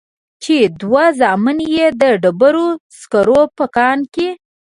چې دوه زامن يې د ډبرو سکرو په کان کې.